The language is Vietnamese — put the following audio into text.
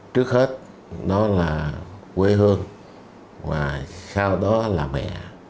trước hết nó là quê hương mà sau đó là mẹ